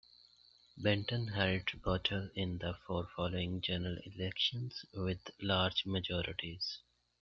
Benton held Bootle in the four following general elections with large majorities.